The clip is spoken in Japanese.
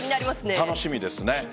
楽しみですね。